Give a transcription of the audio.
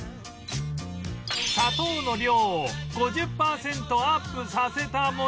砂糖の量を５０パーセントアップさせたものも